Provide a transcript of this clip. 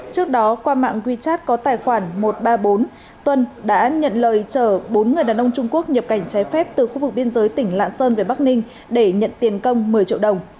trước đó qua mạng wechat có tài khoản một trăm ba mươi bốn tuân đã nhận lời chở bốn người đàn ông trung quốc nhập cảnh trái phép từ khu vực biên giới tỉnh lạng sơn về bắc ninh để nhận tiền công một mươi triệu đồng